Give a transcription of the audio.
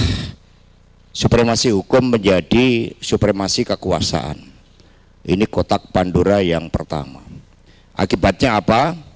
hai supremasi hukum menjadi supremasi kekuasaan ini kotak pandura yang pertama akibatnya apa